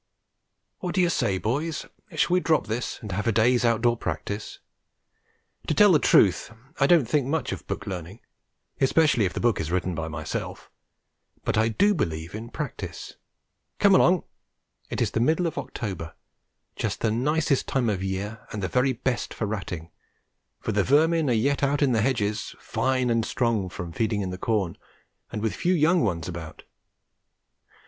What do you say, boys? Shall we drop this and have a day's outdoor practice? To tell the truth, I don't think much of book learning, especially if the book is written by myself; but I do believe in practice. Come along! It is the middle of October just the nicest time of the year and the very best for ratting, for the vermin are yet out in the hedges, fine and strong from feeding in the corn, and with few young ones about.